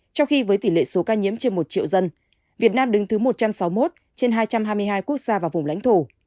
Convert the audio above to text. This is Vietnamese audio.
trong khi với tỷ lệ số ca nhiễm trên một triệu dân việt nam đứng thứ một trăm sáu mươi một trên hai trăm hai mươi hai quốc gia và vùng lãnh thổ